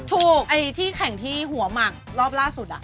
ถูกไอ้ที่แข่งที่หัวหมักรอบล่าสุด